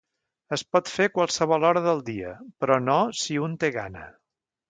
Es pot fer a qualsevol hora del dia, però no si un té gana.